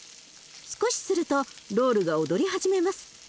少しするとロールが踊り始めます。